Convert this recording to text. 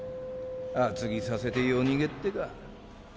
厚着させて夜逃げってか。